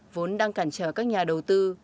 nên đang cản trở các nhà đầu tư